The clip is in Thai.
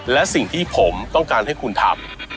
และสิ่งที่ผมต้องการให้คุณทำ